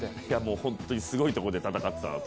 本当にすごいとこで戦ってたなと。